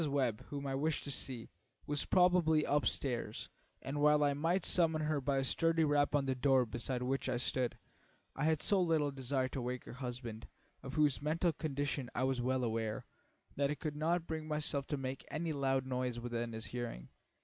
Webb, whom I wished to see, was probably up stairs, and while I might summon her by a sturdy rap on the door beside which I stood, I had so little desire to wake her husband, of whose mental condition I was well aware, that I could not bring myself to make any loud noise within his hearing.